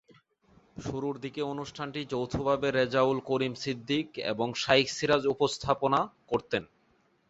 শুরুর দিকে অনুষ্ঠানটি যৌথভাবে রেজাউল করিম সিদ্দিক এবং শাইখ সিরাজ উপস্থাপনা করতেন।